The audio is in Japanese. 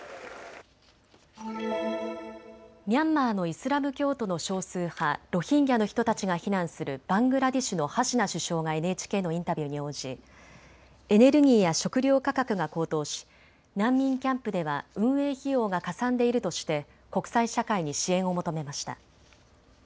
ミャンマーのイスラム教徒の少数派、ロヒンギャの人たちが避難するバングラデシュのハシナ首相がＮＨＫのインタビューに応じエネルギーや食料価格が高騰し難民キャンプでは運営費用がかさんでいるとして国際社会に支援を求めました。